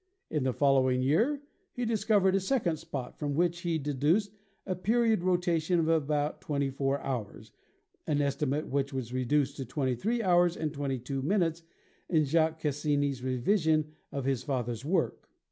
In the following year he discovered a second spot, from which he deduced a period of rotation of about 24 hours, an estimate which was reduced to 23 hours and 22 minutes in Jacques Cassini's revision of his VENUS 143 father's work.